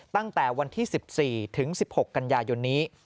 ตั้งแต่วันที่๑๔ถึง๑๖กันยายนนี้